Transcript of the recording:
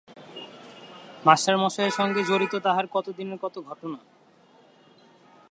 মাস্টারমশায়ের সঙ্গে জড়িত তাহার কত দিনের কত ঘটনা।